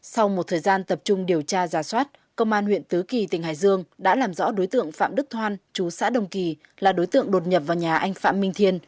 sau một thời gian tập trung điều tra giả soát công an huyện tứ kỳ tỉnh hải dương đã làm rõ đối tượng phạm đức thoan chú xã đồng kỳ là đối tượng đột nhập vào nhà anh phạm minh thiên